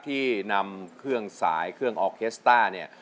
ที่นำเครื่องสายเครื่องออเคสต้าเนี่ย